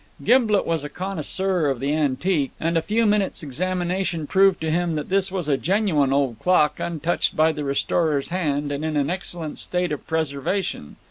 Gimblet was a connoisseur of the antique, and a few minutes' examination proved to him that this was a genuine old clock, untouched by the restorer's hand, and in an excellent state of preservation.